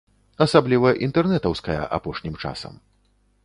Асабліва інтэрнэтаўская апошнім часам.